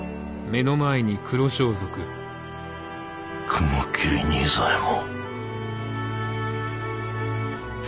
雲霧仁左衛門。